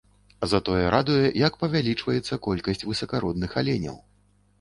Затое радуе, як павялічваецца колькасць высакародных аленяў.